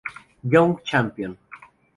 Young Champion